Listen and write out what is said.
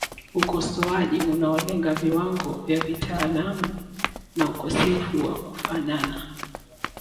Ukosoaji unaolenga viwango vya kitaalamu na ukosefu wa kufanana